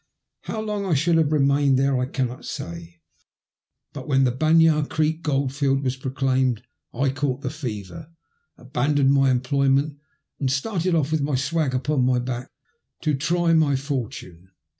How long I should have remained there I cannot say, but when the Banyah Greek gold field was proclaimed, I caught the fever, abandoned my employment, and started oflf, with my swag upon my back, to try my for tune.